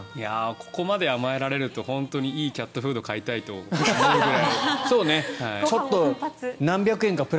ここまで甘えられるといいキャットフードを買いたいと思うぐらい。